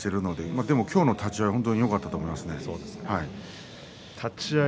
でも今日の立ち合いは、本当によかったと思います。